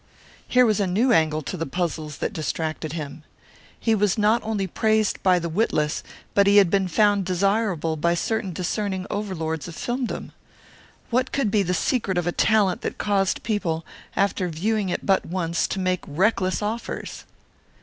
Here was a new angle to the puzzles that distracted him. He was not only praised by the witless, but he had been found desirable by certain discerning overlords of filmdom. What could be the secret of a talent that caused people, after viewing it but once, to make reckless offers?